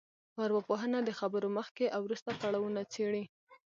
ارواپوهنه د خبرو مخکې او وروسته پړاوونه څېړي